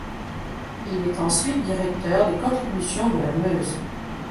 Il est ensuite directeur des contributions de la Meuse.